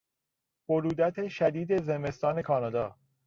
برودت شدید زمستان کانادا